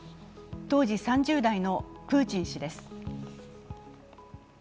当時３０代のプーチン氏です。